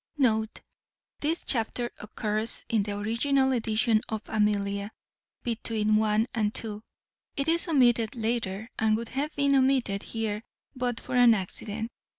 [This chapter occurs in the original edition of Amelia, between 1 and 2. It is omitted later, and would have been omitted here but for an accident.